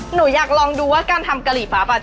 หนูอยากลองดูว่าการทำกะหรี่ปั๊บ